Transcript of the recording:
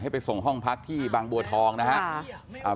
ไปส่งห้องพักที่บางบัวทองนะครับ